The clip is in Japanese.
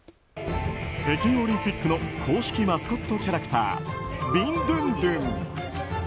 北京オリンピックの公式マスコットキャラクタービンドゥンドゥン。